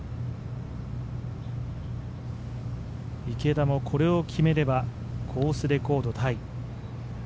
池田もこれを決めればコースレコードタイ。